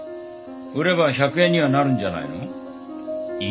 売れば１００円にはなるんじゃないの？